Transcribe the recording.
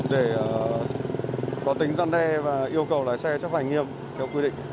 để có tính gian đe và yêu cầu lái xe chấp hành nghiêm theo quy định